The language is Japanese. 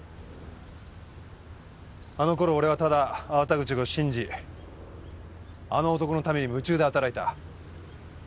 あの頃俺はただ粟田口を信じあの男のために夢中で働いた。